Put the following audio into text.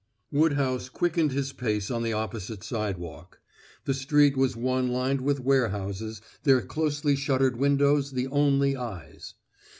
Woodhouse quickened his pace on the opposite sidewalk. The street was one lined with warehouses, their closely shuttered windows the only eyes.